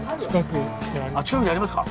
近くにありますか？